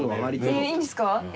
いいんですか。